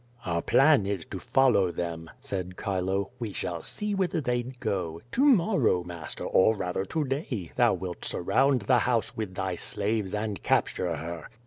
"Our plan is to follow them," said Chilo, "We shall see whither they go. To morrow, master, or rather to day, thou wilt surround the house with thy slaves and capture her."